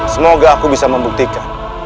semoga aku bisa membuktikan